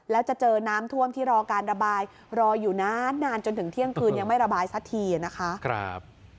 แล้วจะเจอน้ำท่วมที่รอการระบายรออยู่นานจนถึงเที่ยงคืนยังไม่ระบายสักทีนะคะ